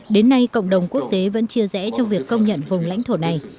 đến nay cộng đồng quốc tế vẫn chia rẽ trong việc công nhận vùng lãnh thổ này